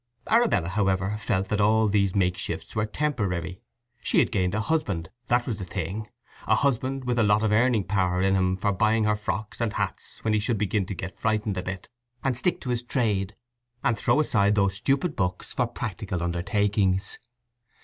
Arabella, however, felt that all these make shifts were temporary; she had gained a husband; that was the thing—a husband with a lot of earning power in him for buying her frocks and hats when he should begin to get frightened a bit, and stick to his trade, and throw aside those stupid books for practical undertakings.